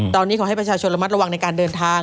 ตอนนี้ขอให้ประชาชนระมัดระวังในการเดินทาง